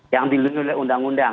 yang diluncur oleh undang undang